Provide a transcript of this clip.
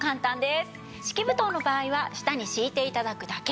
敷き布団の場合は下に敷いて頂くだけ。